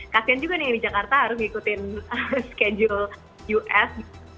kasian juga nih di jakarta harus mengikuti schedule us